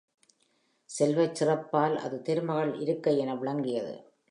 செல்வச் சிறப்பால் அது திருமகள் இருக்கை என விளங்கியது.